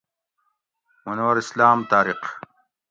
منور اسلام طارق